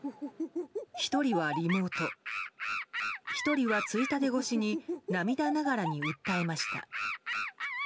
１人はリモート１人はついたて越しに涙ながらに訴えました。